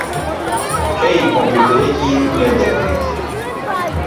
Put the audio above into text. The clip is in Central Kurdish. کەی کۆمپیوتەرێکی نوێ دەکڕیت؟